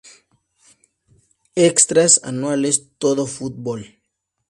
Extras anuales 'Todo Fútbol'.